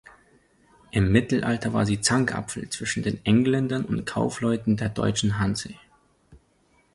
Im Mittelalter war sie Zankapfel zwischen den Engländern und Kaufleuten der deutschen Hanse.